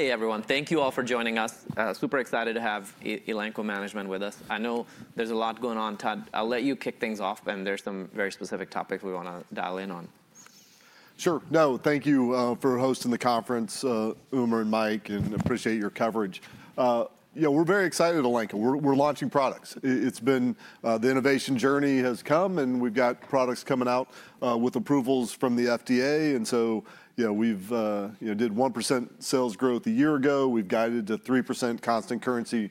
Hey, everyone. Thank you all for joining us. Super excited to have Elanco Management with us. I know there's a lot going on, Todd. I'll let you kick things off, and there's some very specific topics we want to dial in on. Sure. No, thank you for hosting the conference, Umar and Mike, and appreciate your coverage. You know, we're very excited at Elanco. We're launching products. It's been the innovation journey has come, and we've got products coming out with approvals from the FDA. And so, you know, we've did 1% sales growth a year ago. We've guided to 3% constant currency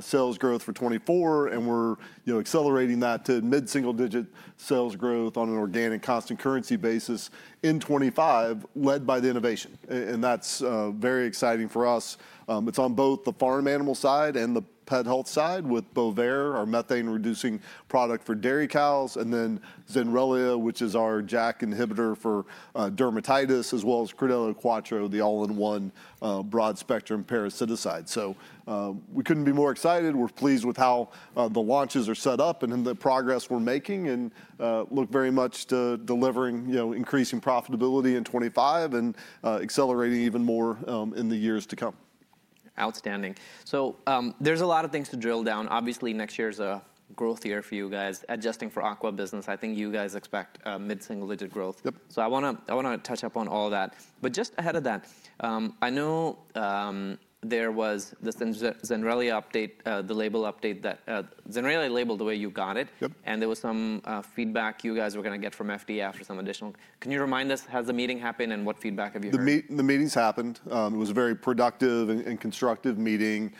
sales growth for 2024, and we're accelerating that to mid-single-digit sales growth on an organic constant currency basis in 2025, led by the innovation. And that's very exciting for us. It's on both the farm animal side and the pet health side with Bovaer, our methane-reducing product for dairy cows, and then Zenrelia, which is our JAK inhibitor for dermatitis, as well as Credelio Quattro, the all-in-one broad-spectrum parasiticide. So we couldn't be more excited. We're pleased with how the launches are set up and the progress we're making and look very much to delivering, you know, increasing profitability in 2025 and accelerating even more in the years to come. Outstanding. So there's a lot of things to drill down. Obviously, next year's a growth year for you guys, adjusting for aqua business. I think you guys expect mid-single-digit growth. Yep. So I want to touch up on all of that. But just ahead of that, I know there was this Zenrelia update, the label update that Zenrelia labeled the way you got it, and there was some feedback you guys were going to get from FDA after some additional. Can you remind us, has the meeting happened, and what feedback have you got? The meeting's happened. It was a very productive and constructive meeting.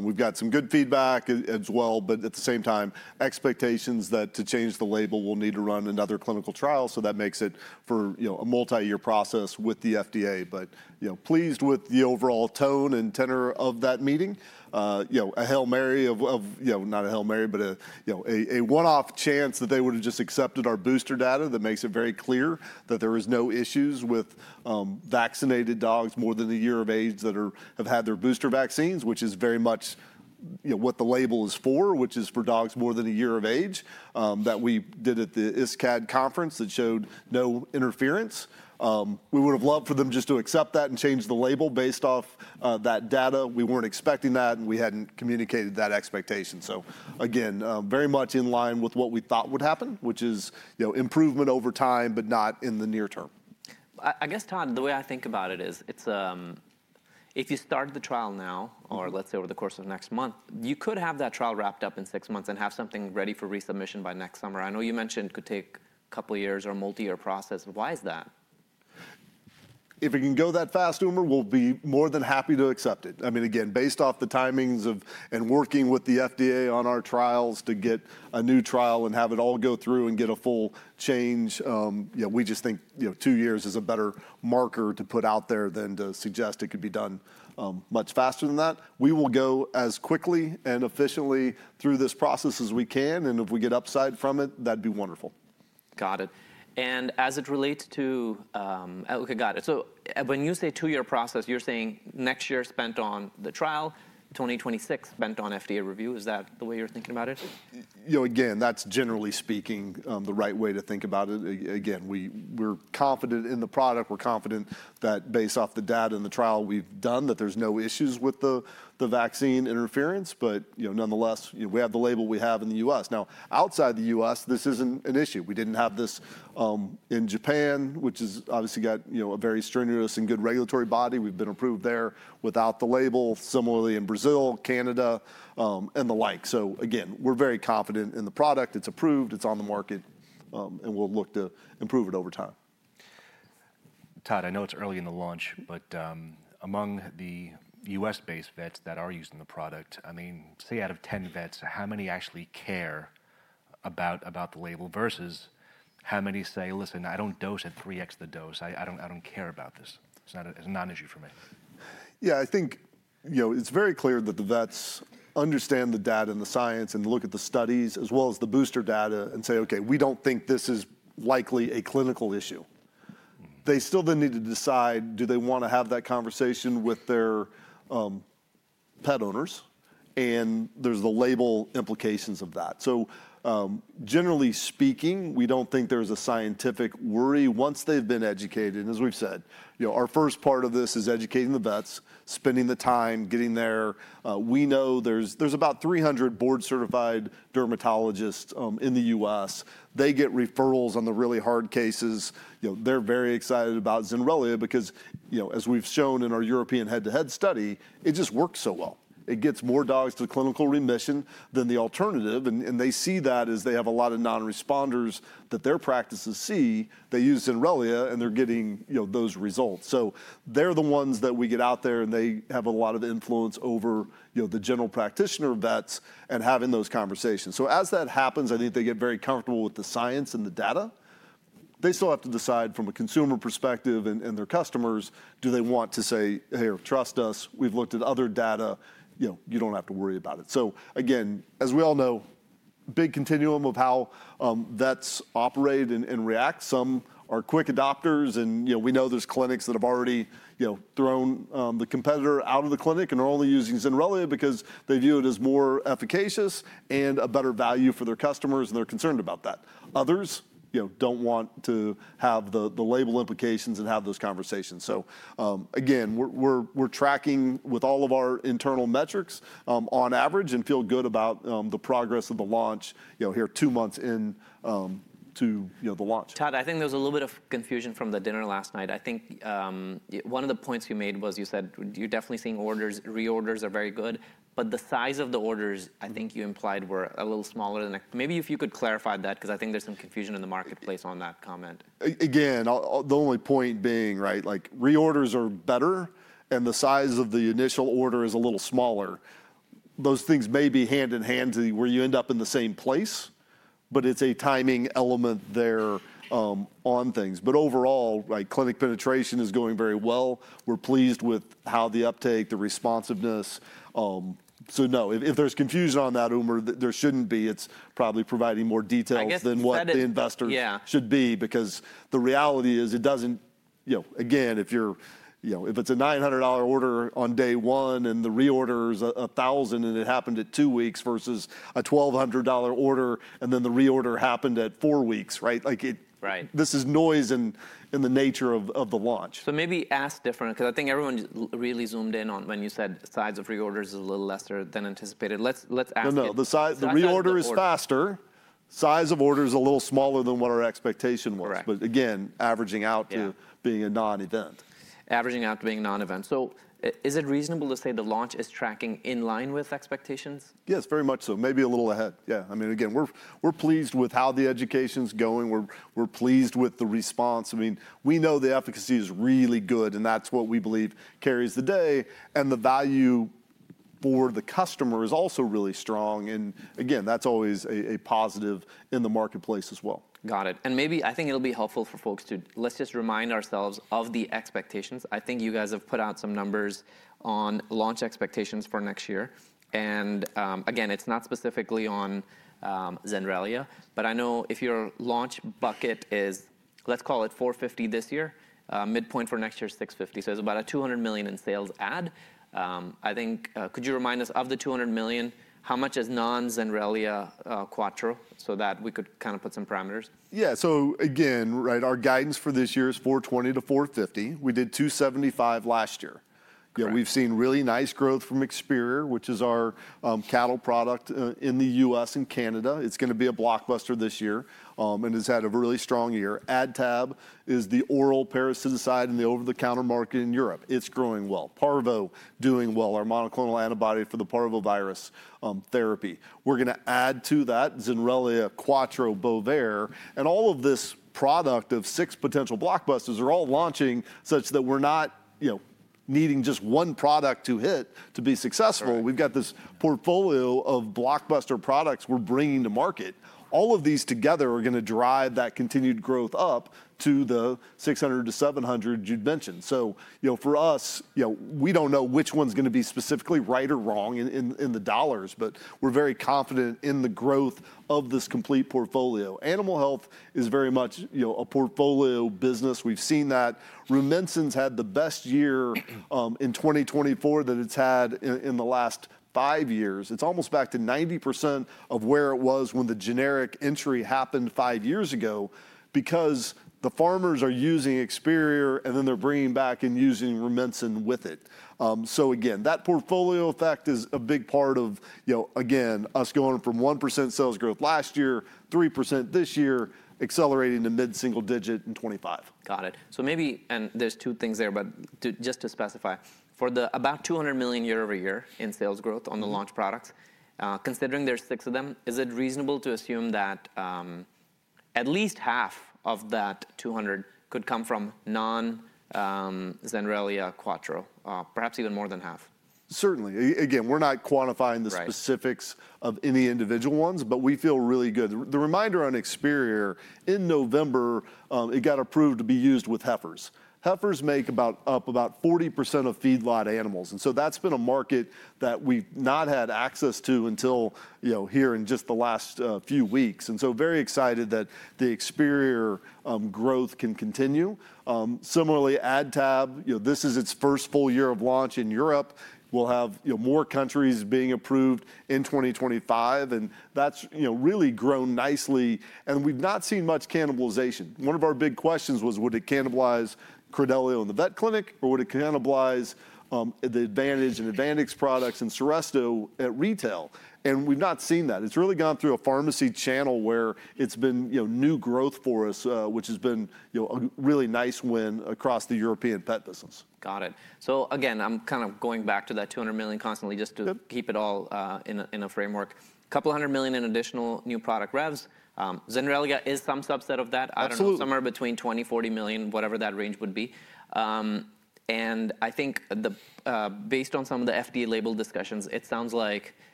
We've got some good feedback as well, but at the same time, expectations that, to change the label, we'll need to run another clinical trial so that makes for a multi-year process with the FDA, but pleased with the overall tone and tenor of that meeting. A Hail Mary of, not a Hail Mary, but a one-off chance that they would have just accepted our booster data that makes it very clear that there are no issues with vaccinated dogs more than a year of age that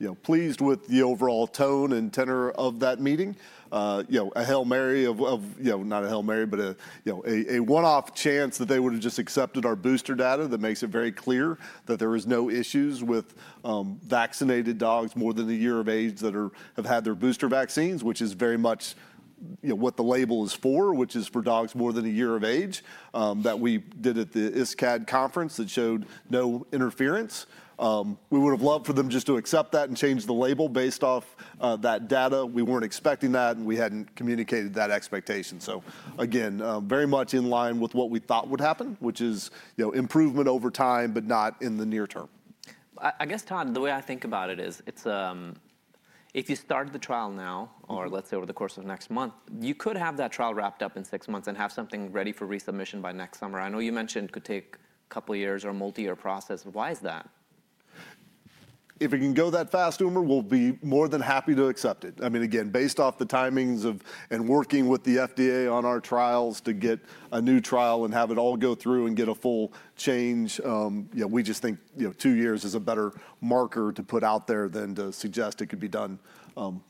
have had their booster vaccines, which is very much what the label is for, which is for dogs more than a year of age, that we did at the ISCAD conference that showed no interference. We would have loved for them just to accept that and change the label based off that data. We weren't expecting that, and we hadn't communicated that expectation. Again, very much in line with what we thought would happen, which is improvement over time, but not in the near term. I guess, Todd, the way I think about it is, if you start the trial now, or let's say over the course of next month, you could have that trial wrapped up in six months and have something ready for resubmission by next summer. I know you mentioned it could take a couple of years or a multi-year process. Why is that? If it can go that fast, Umar, we'll be more than happy to accept it. I mean, again, based off the timings and working with the FDA on our trials to get a new trial and have it all go through and get a full change, we just think two years is a better marker to put out there than to suggest it could be done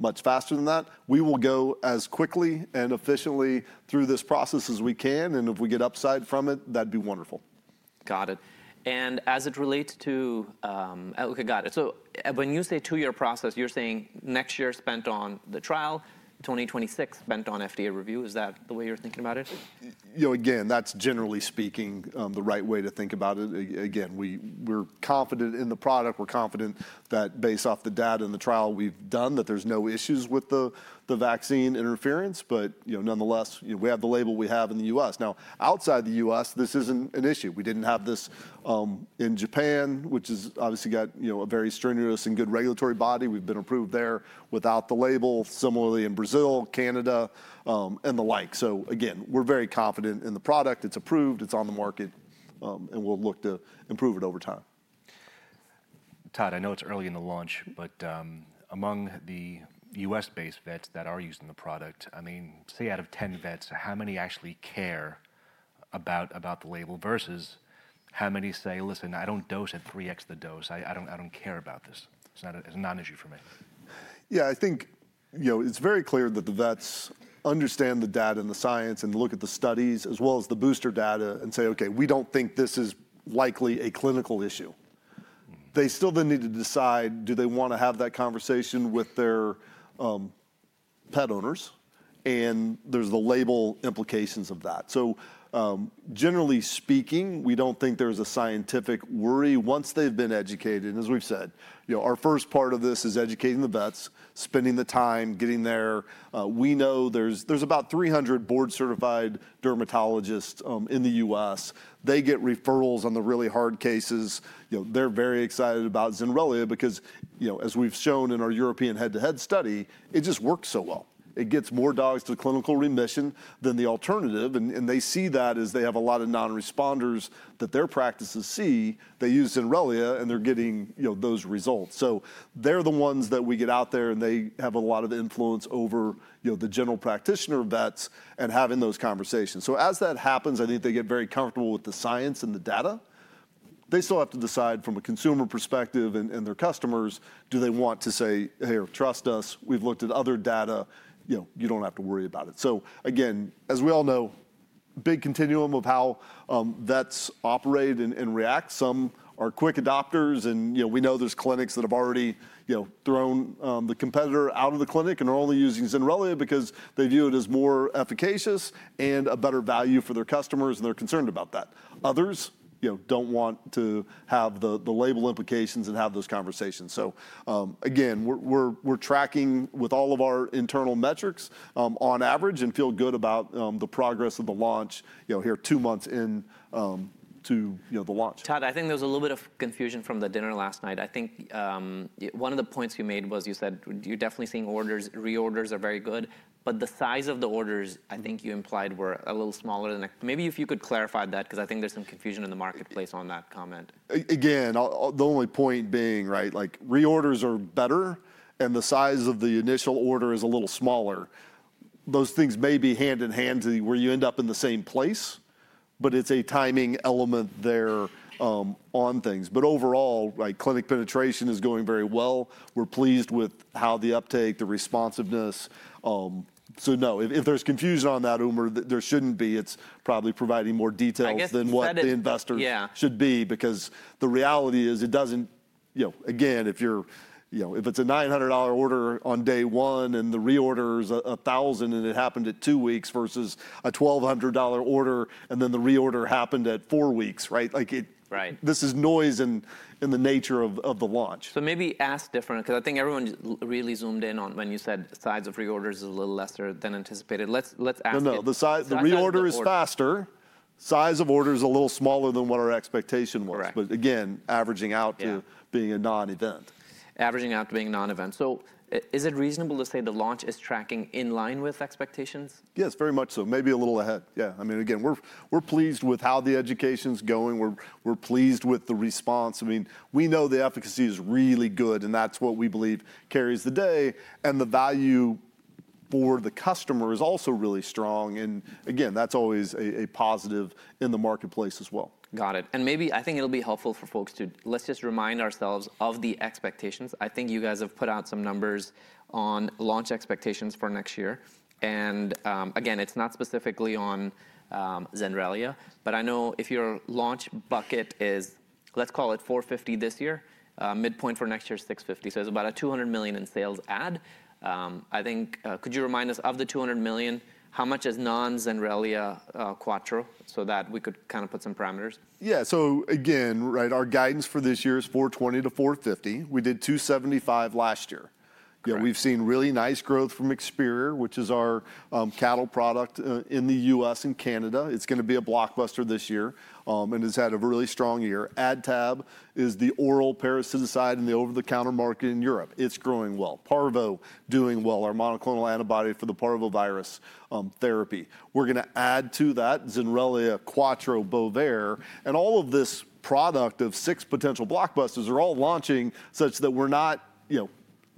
much faster than that. We will go as quickly and efficiently through this process as we can, and if we get upside from it, that'd be wonderful. Got it. So when you say two-year process, you're saying next year spent on the trial, 2026 spent on FDA review. Is that the way you're thinking about it? Again, that's generally speaking the right way to think about it. Again, we're confident in the product. We're confident that based off the data and the trial we've done, that there's no issues with the vaccine interference. But nonetheless, we have the label we have in the U.S. Now, outside the U.S., this isn't an issue. We didn't have this in Japan, which has obviously got a very stringent and good regulatory body. We've been approved there without the label. Similarly, in Brazil, Canada, and the like. So again, we're very confident in the product. It's approved. It's on the market, and we'll look to improve it over time. Todd, I know it's early in the launch, but among the U.S.-based vets that are using the product, I mean, say out of 10 vets, how many actually care about the label versus how many say, "Listen, I don't dose at 3x the dose. I don't care about this. It's not an issue for me. Yeah, I think it's very clear that the vets understand the data and the science and look at the studies as well as the booster data and say, "Okay, we don't think this is likely a clinical issue." They still then need to decide, do they want to have that conversation with their pet owners? And there's the label implications of that. So generally speaking, we don't think there's a scientific worry once they've been educated. And as we've said, our first part of this is educating the vets, spending the time, getting there. We know there's about 300 board-certified dermatologists in the U.S. They get referrals on the really hard cases. They're very excited about Zenrelia because, as we've shown in our European head-to-head study, it just works so well. It gets more dogs to clinical remission than the alternative. And they see that as they have a lot of non-responders that their practices see. They use Zenrelia, and they're getting those results. So they're the ones that we get out there, and they have a lot of influence over the general practitioner vets and having those conversations. So as that happens, I think they get very comfortable with the science and the data. They still have to decide from a consumer perspective and their customers, do they want to say, "Hey, trust us. We've looked at other data. You don't have to worry about it." So again, as we all know, big continuum of how vets operate and react. Some are quick adopters, and we know there's clinics that have already thrown the competitor out of the clinic and are only using Zenrelia because they view it as more efficacious and a better value for their customers, and they're concerned about that. Others don't want to have the label implications and have those conversations, so again, we're tracking with all of our internal metrics on average and feel good about the progress of the launch here two months into the launch. Todd, I think there was a little bit of confusion from the dinner last night. I think one of the points you made was you said you're definitely seeing orders. Reorders are very good, but the size of the orders, I think you implied, were a little smaller. Maybe if you could clarify that, because I think there's some confusion in the marketplace on that comment. Again, the only point being, right, reorders are better, and the size of the initial order is a little smaller. Those things may be hand in hand to where you end up in the same place, but it's a timing element there on things. But overall, clinic penetration is going very well. We're pleased with how the uptake, the responsiveness. So no, if there's confusion on that, Umar, there shouldn't be. It's probably providing more details than what the investors should be because the reality is it doesn't, again, if it's a $900 order on day one and the reorder is 1,000 and it happened at two weeks versus a $1,200 order and then the reorder happened at four weeks, right? This is noise in the nature of the launch. Maybe ask different because I think everyone really zoomed in on when you said size of reorders is a little lesser than anticipated. Let's ask them. No, no. The reorder is faster. Size of order is a little smaller than what our expectation was. But again, averaging out to being a non-event. Averaging out to being a non-event. So is it reasonable to say the launch is tracking in line with expectations? Yes, very much so. Maybe a little ahead. Yeah. I mean, again, we're pleased with how the education's going. We're pleased with the response. I mean, we know the efficacy is really good, and that's what we believe carries the day, and the value for the customer is also really strong, and again, that's always a positive in the marketplace as well. Got it. And maybe I think it'll be helpful for folks to, let's just remind ourselves of the expectations. I think you guys have put out some numbers on launch expectations for next year. And again, it's not specifically on Zenrelia, but I know if your launch bucket is, let's call it $450 million this year, midpoint for next year is $650 million. So there's about a $200 million in sales add. I think, could you remind us of the $200 million, how much is non-Zenrelia Quattro so that we could kind of put some parameters? Yeah. So again, right, our guidance for this year is $420-$450. We did $275 last year. We've seen really nice growth from Experior, which is our cattle product in the U.S. and Canada. It's going to be a blockbuster this year and has had a really strong year. AdTab is the oral parasiticide in the over-the-counter market in Europe. It's growing well. Parvo doing well, our monoclonal antibody for the parvovirus therapy. We're going to add to that Zenrelia, Quattro, Bovaer, and all of this product of six potential blockbusters are all launching such that we're not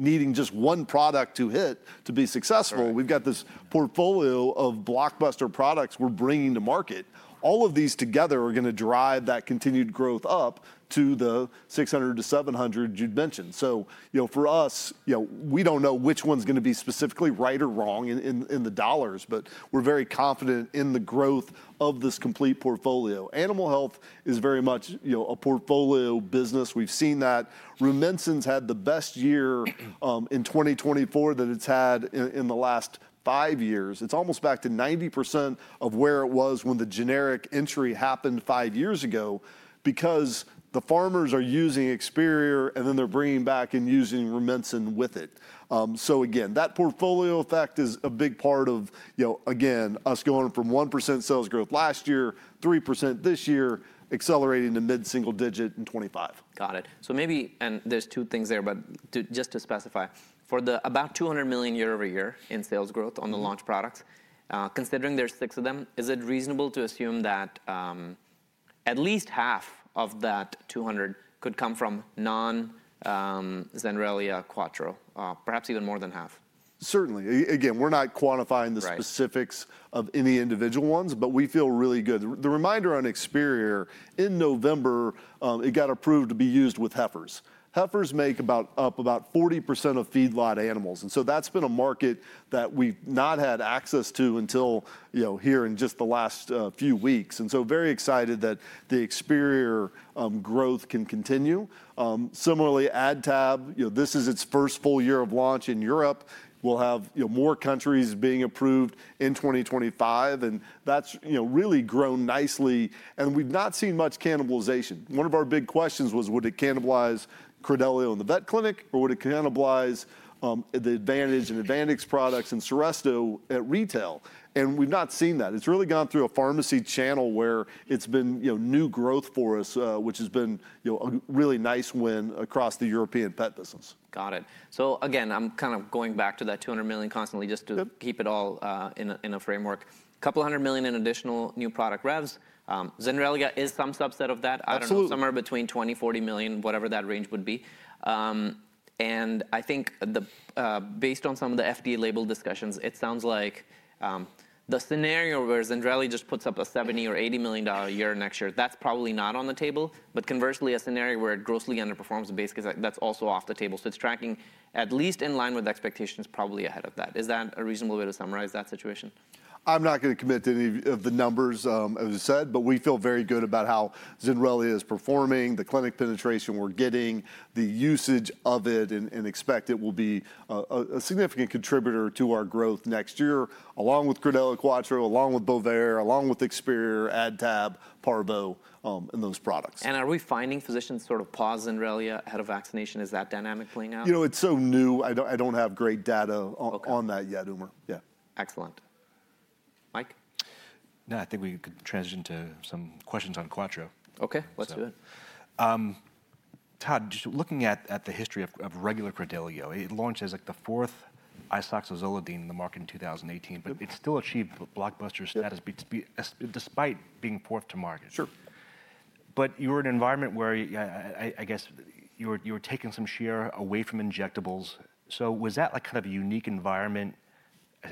needing just one product to hit to be successful. We've got this portfolio of blockbuster products we're bringing to market. All of these together are going to drive that continued growth up to the $600-$700 you'd mentioned. So for us, we don't know which one's going to be specifically right or wrong in the dollars, but we're very confident in the growth of this complete portfolio. Animal health is very much a portfolio business. We've seen that. Rumensin's had the best year in 2024 that it's had in the last five years. It's almost back to 90% of where it was when the generic entry happened five years ago because the farmers are using Experior and then they're bringing back and using Rumensin with it. So again, that portfolio effect is a big part of, again, us going from 1% sales growth last year, 3% this year, accelerating to mid-single digit in 2025. Got it. So maybe, and there's two things there, but just to specify, for the about $200 million year-over-year in sales growth on the launch products, considering there's six of them, is it reasonable to assume that at least half of that $200 million could come from non-Zenrelia Quattro, perhaps even more than half? Certainly. Again, we're not quantifying the specifics of any individual ones, but we feel really good. The reminder on Experior: in November, it got approved to be used with heifers. Heifers make up about 40% of feedlot animals, and so that's been a market that we've not had access to until here in just the last few weeks, and so very excited that the Experior growth can continue. Similarly, AdTab, this is its first full year of launch in Europe. We'll have more countries being approved in 2025, and that's really grown nicely, and we've not seen much cannibalization. One of our big questions was, would it cannibalize Credelio in the vet clinic, or would it cannibalize the Advantage and Advantix products and Seresto at retail? And we've not seen that. It's really gone through a pharmacy channel where it's been new growth for us, which has been a really nice win across the European pet business. Got it. So again, I'm kind of going back to that $200 million constant currency just to keep it all in a framework. A couple hundred million in additional new product revs. Zenrelia is some subset of that. Absolutely. Somewhere between $20-40 million, whatever that range would be, and I think based on some of the FDA label discussions, it sounds like the scenario where Zenrelia just puts up a $70 or $80 million year next year, that's probably not on the table. But conversely, a scenario where it grossly underperforms the base case, that's also off the table. So it's tracking at least in line with expectations, probably ahead of that. Is that a reasonable way to summarize that situation? I'm not going to commit to any of the numbers as I said, but we feel very good about how Zenrelia is performing, the clinic penetration we're getting, the usage of it, and expect it will be a significant contributor to our growth next year, along with Credelio Quattro, along with Bovaer, along with Experior, AdTab, Parvo, and those products. Are we finding physicians sort of pause Zenrelia ahead of vaccination? Is that dynamic playing out? You know, it's so new. I don't have great data on that yet, Umar. Yeah. Excellent. Mike? No, I think we could transition to some questions on Quattro. Okay, let's do it. Todd, just looking at the history of regular Credelio, it launched as like the fourth isoxazolidine in the market in 2018, but it still achieved blockbuster status despite being fourth to market. Sure. But you were in an environment where I guess you were taking some share away from injectables. So was that like kind of a unique environment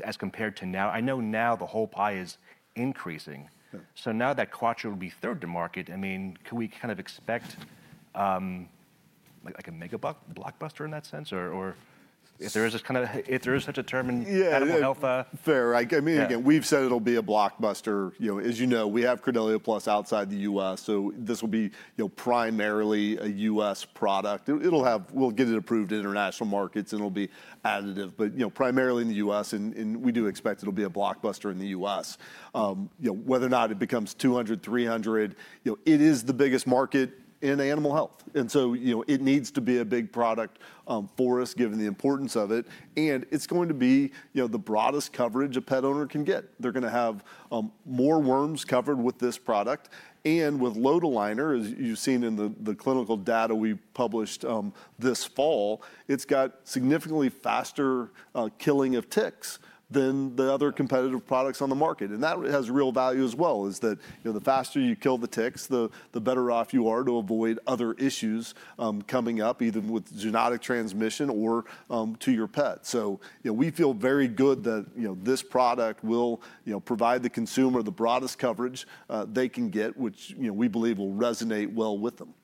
as compared to now? I know now the whole pie is increasing. So now that Quattro will be third to market, I mean, can we kind of expect like a mega blockbuster in that sense? Or if there is such a term in animal health? Yeah, fair. I mean, again, we've said it'll be a blockbuster. As you know, we have Credelio Plus outside the U.S. So this will be primarily a U.S. product. We'll get it approved in international markets, and it'll be additive. But primarily in the U.S., and we do expect it'll be a blockbuster in the U.S. Whether or not it becomes 200, 300, it is the biggest market in animal health. And so it needs to be a big product for us given the importance of it. And it's going to be the broadest coverage a pet owner can get. They're going to have more worms covered with this product. And with lotilaner, as you've seen in the clinical data we published this fall, it's got significantly faster killing of ticks than the other competitive products on the market. That has real value as well, is that the faster you kill the ticks, the better off you are to avoid other issues coming up, either with zoonotic transmission or to your pet. We feel very good that this product will provide the consumer the broadest coverage they can get, which we believe will resonate well with them.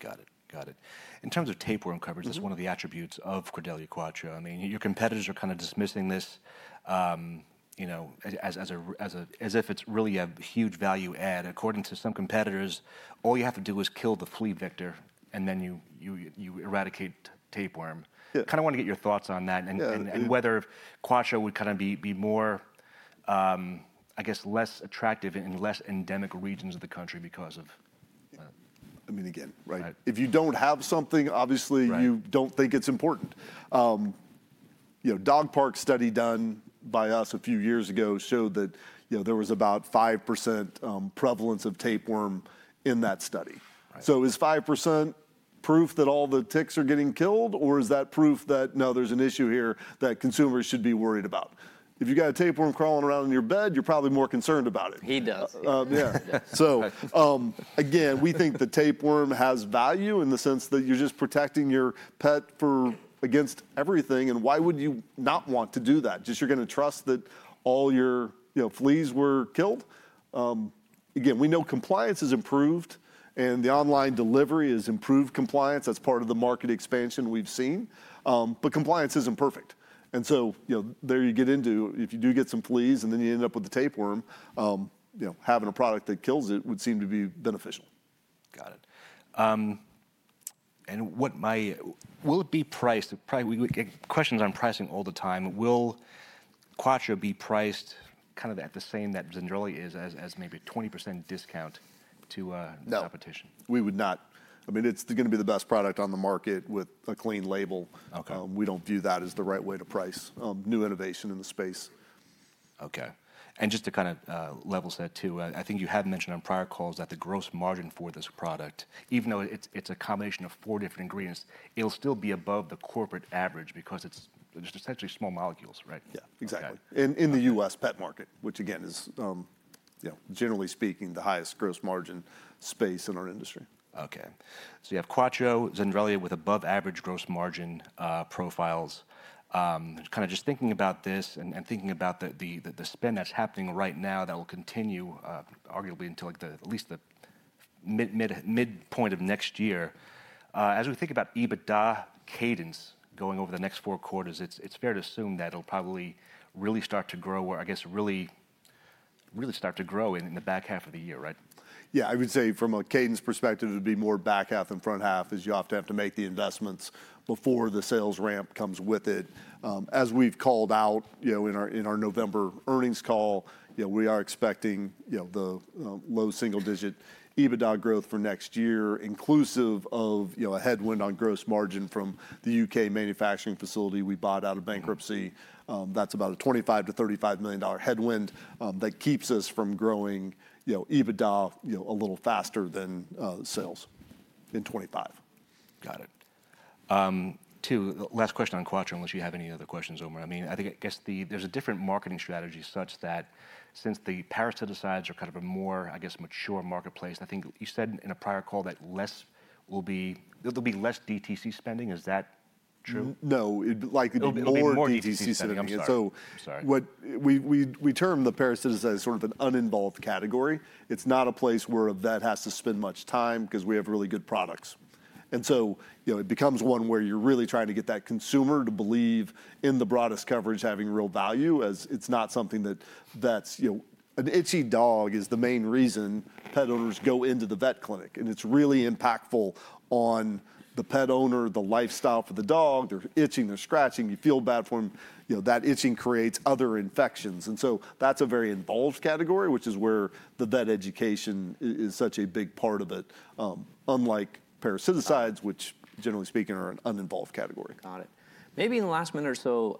Got it. Got it. In terms of tapeworm coverage, that's one of the attributes of Credelio Quattro. I mean, your competitors are kind of dismissing this as if it's really a huge value add. According to some competitors, all you have to do is kill the flea vector, and then you eradicate tapeworm. Kind of want to get your thoughts on that and whether Quattro would kind of be more, I guess, less attractive in less endemic regions of the country because of. I mean, again, right? If you don't have something, obviously you don't think it's important. Dog park study done by us a few years ago showed that there was about 5% prevalence of tapeworm in that study. So is 5% proof that all the ticks are getting killed, or is that proof that, no, there's an issue here that consumers should be worried about? If you've got a tapeworm crawling around in your bed, you're probably more concerned about it. He does. Yeah. So again, we think the tapeworm has value in the sense that you're just protecting your pet against everything. And why would you not want to do that? Just you're going to trust that all your fleas were killed? Again, we know compliance has improved, and the online delivery has improved compliance. That's part of the market expansion we've seen. But compliance isn't perfect. And so there you get into, if you do get some fleas and then you end up with the tapeworm, having a product that kills it would seem to be beneficial. Got it. And will it be priced? Questions on pricing all the time. Will Quattro be priced kind of at the same that Zenrelia is as maybe a 20% discount to competition? No, we would not. I mean, it's going to be the best product on the market with a clean label. We don't view that as the right way to price new innovation in the space. Okay. And just to kind of level set too, I think you have mentioned on prior calls that the gross margin for this product, even though it's a combination of four different ingredients, it'll still be above the corporate average because it's just essentially small molecules, right? Yeah, exactly. And in the U.S. pet market, which again, is generally speaking, the highest gross margin space in our industry. Okay. So you have Quattro, Zenrelia with above average gross margin profiles. Kind of just thinking about this and thinking about the spin that's happening right now that will continue arguably until at least the midpoint of next year. As we think about EBITDA cadence going over the next four quarters, it's fair to assume that it'll probably really start to grow or I guess really start to grow in the back half of the year, right? Yeah, I would say from a cadence perspective, it would be more back half than front half as you often have to make the investments before the sales ramp comes with it. As we've called out in our November earnings call, we are expecting the low single-digit EBITDA growth for next year, inclusive of a headwind on gross margin from the U.K. manufacturing facility we bought out of bankruptcy. That's about a $25-$35 million headwind that keeps us from growing EBITDA a little faster than sales in 2025. Got it. Too, last question on Quattro unless you have any other questions, Umar. I mean, I guess there's a different marketing strategy such that since the parasiticides are kind of a more, I guess, mature marketplace. I think you said in a prior call that there'll be less DTC spending. Is that true? No, like more DTC spending, so we term the parasiticides sort of an uninvolved category. It's not a place where a vet has to spend much time because we have really good products, and so it becomes one where you're really trying to get that consumer to believe in the broadest coverage having real value as it's not something that's an itchy dog is the main reason pet owners go into the vet clinic, and it's really impactful on the pet owner, the lifestyle for the dog. They're itching, they're scratching, you feel bad for them. That itching creates other infections, and so that's a very involved category, which is where the vet education is such a big part of it, unlike parasiticides, which generally speaking are an uninvolved category. Got it. Maybe in the last minute or so,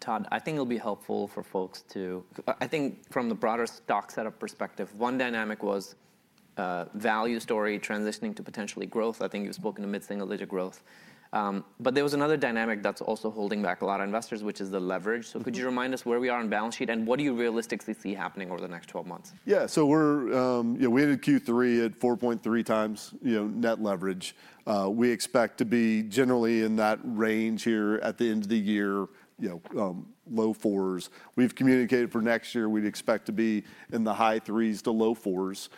Todd, I think it'll be helpful for folks to, I think from the broader stock setup perspective, one dynamic was value story transitioning to potentially growth. I think you've spoken to mid-single digit growth. But there was another dynamic that's also holding back a lot of investors, which is the leverage. So could you remind us where we are on balance sheet and what do you realistically see happening over the next 12 months? Yeah, so we're in Q3 at 4.3 times net leverage. We expect to be generally in that range here at the end of the year, low fours. We've communicated for next year, we'd expect to be in the high threes to low fours.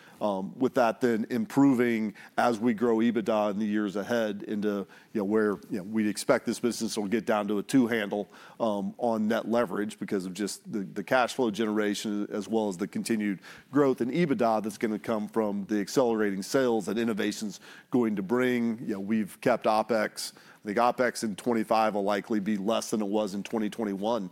With that then improving as we grow EBITDA in the years ahead into where we'd expect this business will get down to a two handle on net leverage because of just the cash flow generation as well as the continued growth in EBITDA that's going to come from the accelerating sales and innovations going to bring. We've kept OpEx. I think OpEx in 2025 will likely be less than it was in 2021,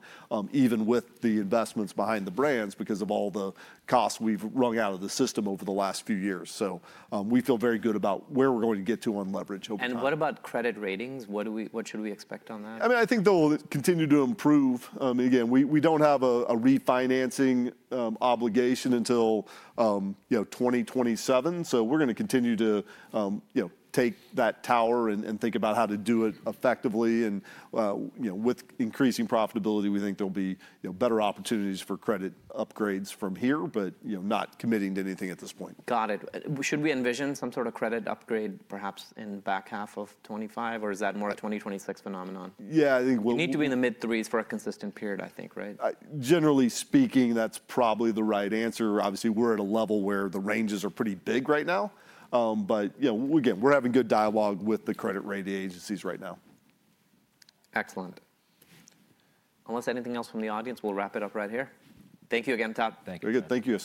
even with the investments behind the brands because of all the costs we've wrung out of the system over the last few years. So we feel very good about where we're going to get to on leverage. What about credit ratings? What should we expect on that? I mean, I think they'll continue to improve. Again, we don't have a refinancing obligation until 2027. So we're going to continue to But again, we're having good dialogue with the credit rating agencies right now. Excellent. Unless anything else from the audience, we'll wrap it up right here. Thank you again, Todd. Thank you. Very good. Thank you.